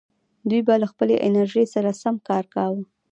دوی به له خپلې انرژۍ سره سم کار کاوه.